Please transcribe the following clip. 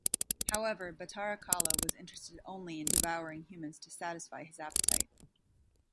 However, Batara Kala was interested only in devouring humans to satisfy his appetite.